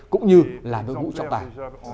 cũng như là nước vũ trọng tài